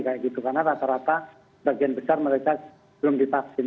karena rata rata bagian besar mereka belum divaksin